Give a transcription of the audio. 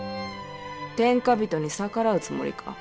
天下人に逆らうつもりか。